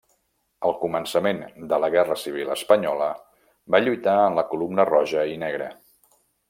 Al començament de la Guerra Civil espanyola, va lluitar en la Columna Roja i Negra.